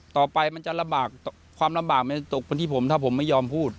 ต่อไปมันจะลำบากความลำบากมันจะตกเป็นที่ผมถ้าผมไม่ยอมพูด